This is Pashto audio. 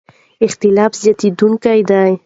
اختلاف زیاتېدونکی دی.